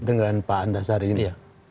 dengan pak antasari ini ya